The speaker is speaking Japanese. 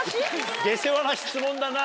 下世話な質問だな。